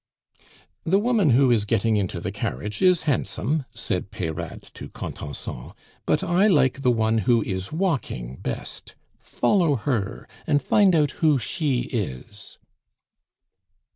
"The woman who is getting into the carriage is handsome," said Peyrade to Contenson, "but I like the one who is walking best; follow her, and find out who she is."